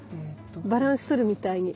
バランス取るみたいに。